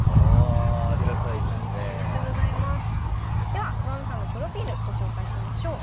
ではつばめさんのプロフィールご紹介しましょう。